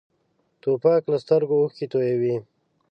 توپک له سترګو اوښکې تویوي.